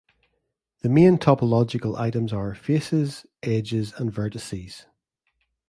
The main topological items are: "faces", "edges" and "vertices".